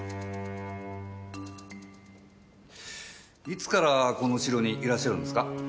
いつからこの城にいらっしゃるんですか？